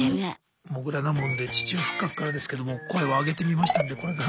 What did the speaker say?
モグラなもんで地中深くからですけども声をあげてみましたんでこれが。